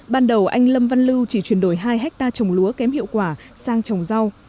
ban đầu anh lâm văn lưu chỉ chuyển đổi hai hectare trồng lúa kém hiệu quả sang trồng rau